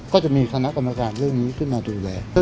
ก็จะมีคณะกรรมการเรื่องนี้ขึ้นมาดูแล